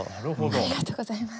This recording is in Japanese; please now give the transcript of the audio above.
ありがとうございます。